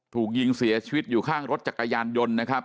ถูกยิงเสียชีวิตอยู่ข้างรถจักรยานยนต์นะครับ